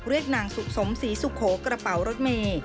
เรียกนางสุขสมศรีสุโขกระเป๋ารถเมฆ